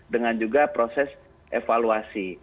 dengan juga proses evaluasi